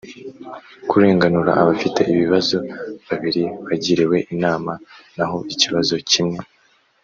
Kurenganura abafite ibibazo babiri bagiriwe inama naho ikibazo kimwe